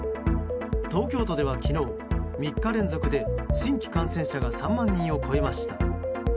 東京都では昨日、３日連続で新規感染者が３万人を超えました。